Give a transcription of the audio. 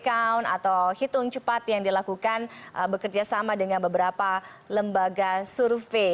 count atau hitung cepat yang dilakukan bekerja sama dengan beberapa lembaga survei